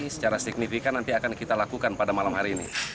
secara signifikan nanti akan kita lakukan pada malam hari ini